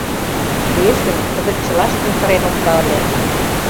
Лиеш гын, кызыт чылаштым кырен опта ыле.